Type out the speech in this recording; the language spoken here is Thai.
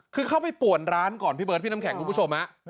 คือเข้าไปป่วนร้านก่อนพี่เบิร์ดพี่น้ำแข็งคุณผู้ชม